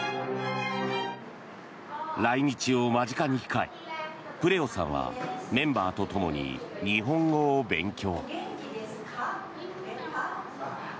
来日を間近に控えプレオさんはメンバーとともに日本語を勉強。